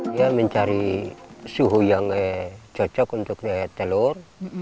dia mencari suhu yang cocok untuk lihat telur